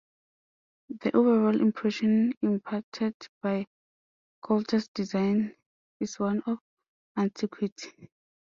The overall impression imparted by Colter's design is one of antiquity.